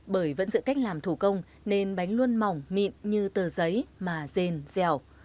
bởi vẫn dự cách làm thủ công nên bánh luôn mỏng mịn như tờ giấy mà rền dẻo